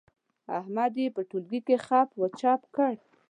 احمد يې په ټولګي کې خپ و چپ کړ.